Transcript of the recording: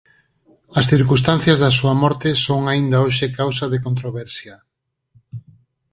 As circunstancias da súa morte son aínda hoxe causa de controversia.